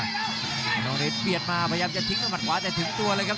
คนนองเดชเปรียดมาพยายามจะทิ้งด้านหอดขวาได้ถึงตัวเลยครับ